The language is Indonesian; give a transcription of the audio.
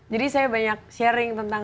jadi saya banyak sharing tentang